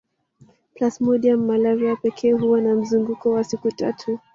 Plasmodium malaria pekee huwa na mzunguko wa siku tatu